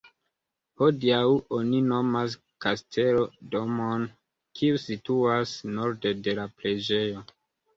Hodiaŭ oni nomas "Kastelo" domon, kiu situas norde de la preĝejo.